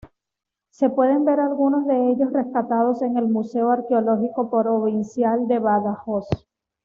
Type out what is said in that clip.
Se pueden ver algunos de ellos rescatados en el Museo Arqueológico Provincial de Badajoz.